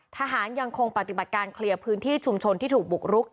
ยังคงปฏิบัติการเคลียร์พื้นที่ชุมชนที่ถูกบุกรุก